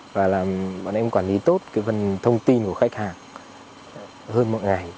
và làm bọn em quản lý tốt phần thông tin của khách hàng hơn mọi ngày